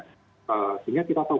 jangan kasih kendor gitu orang orang